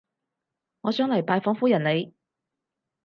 我想嚟拜訪夫人你